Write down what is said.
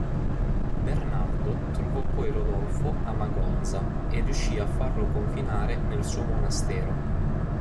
Bernardo trovò poi Rodolfo a Magonza e riuscì a farlo confinare nel suo monastero.